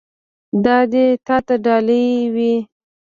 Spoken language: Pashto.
دا دې تا ته ډالۍ وي.